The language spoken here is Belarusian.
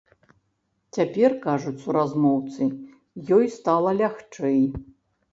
Цяпер, кажуць суразмоўцы, ёй стала лягчэй.